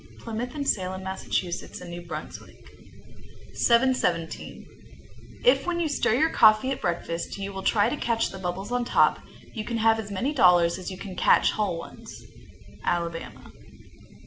Plymouth and Salem, Mass., and New Brunswick. 717. If when you stir your coffee at breakfast you will try to catch the bubbles on top, you can have as many dollars as you can catch whole ones. _Alabama.